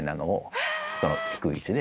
低い位置で。